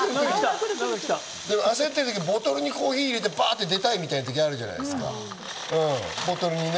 焦ってる時にボトルにコーヒーを入れて、バっと出たいときってあるじゃないですか。